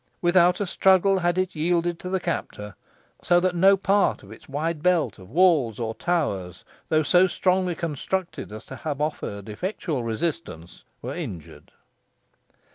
Without a struggle had it yielded to the captor, so that no part of its wide belt of walls or towers, though so strongly constructed as to have offered effectual resistance, were injured.